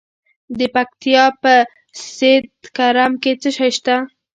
د پکتیا په سید کرم کې څه شی شته؟